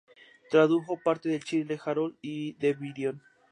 Tradujo parte del "Childe Harold" de Byron.